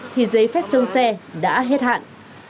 thì giấy phép trông xe đã hết hạn